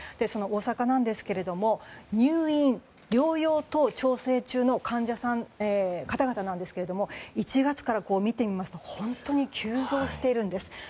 その大阪なんですけれども入院・療養等調整中の方々なんですが１月から見てみますと本当に急増しているんです。